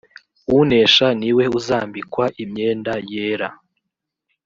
unesha ni we uzambikwa imyenda yera